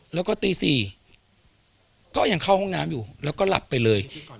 แล้วก็ตี๔ก็ยังเข้าห้องน้ำอยู่แล้วก็หลับไปเลย